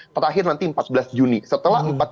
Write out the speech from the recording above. terakhir nanti empat belas juni setelah